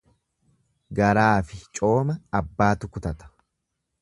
Garaafi cooma abbaatu kutata.